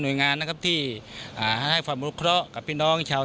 หน่วยงานนะครับที่อ่าให้ฝันบุรุษเคราะห์กับพี่น้องชาว